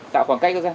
tạo khoảng cách ra